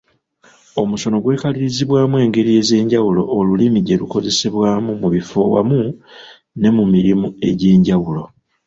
Omusono gwekalirizibwa engeri ez’enjawulo olulimi gye lukozesebwamu mu bifo wamu ne mu mirimu egy’enjawulo.